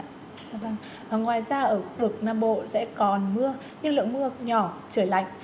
ngoài ra ở khu vực nam bộ sẽ còn mưa nhưng lượng mưa nhỏ trời lạnh